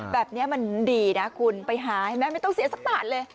แบบนี้มันดีนะคุณไปหาไม่ต้องเสียสักหน่านเลย